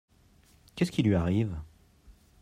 Qu'est-ce qui lui arrive ?